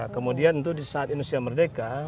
kemudian tentu di saat indonesia merdeka